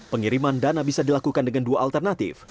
pengiriman dana bisa dilakukan dengan dua alternatif